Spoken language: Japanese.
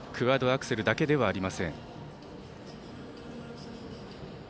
アクセルだけではありません。